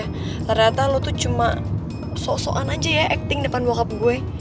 ternyata lo tuh cuma soan aja ya acting depan wakab gue